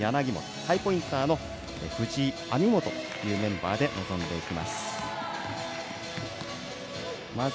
ハイポインターの藤井、網本というメンバーで臨んでいきます。